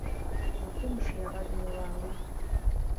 د کوم شي ږغ مې اورېده.